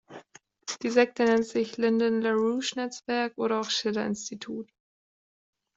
Die Sekte nennt sich Lyndon LaRouche-Netzwerk oder auch Schiller-Institut.